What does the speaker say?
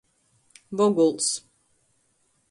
Voguls.